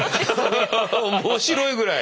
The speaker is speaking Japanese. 面白いぐらい。